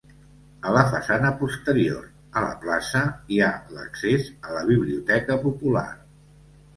A la façana posterior, a la plaça, hi ha l'accés a la biblioteca popular.